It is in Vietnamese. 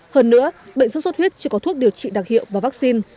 hơn nữa bệnh sốt xuất huyết chỉ có thuốc điều trị đặc hiệu và vaccine